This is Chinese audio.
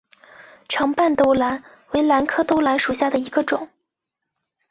长瓣兜兰为兰科兜兰属下的一个种。